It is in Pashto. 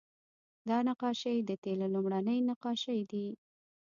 دا نقاشۍ د تیلو لومړنۍ نقاشۍ دي